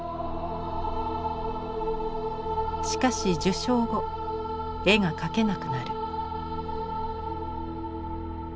しかし受賞後絵が描けなくなる。